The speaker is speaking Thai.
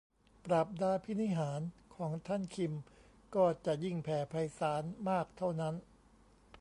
ปราบดาภินิหารย์ของท่านคิมก็จะยิ่งแผ่ไพศาลมากเท่านั้น